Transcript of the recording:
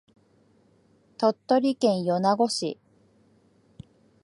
鳥取県米子市